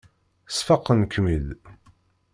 Sfaqen-kem-id.